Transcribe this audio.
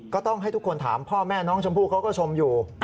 ก็ต้องให้ทุกคนถามพ่อแม่น้องชมพู่เขาก็ชมอยู่